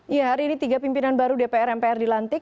ya hari ini tiga pimpinan baru dpr mpr dilantik